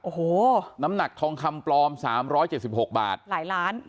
โอ้โหน้ำหนักทองคำปลอมสามร้อยเจ็ดสิบหกบาทหลายล้าน